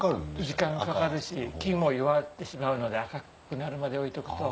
時間がかかるし木も弱ってしまうので赤くなるまで置いとくと。